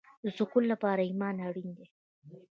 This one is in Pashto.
د سکون لپاره ایمان اړین دی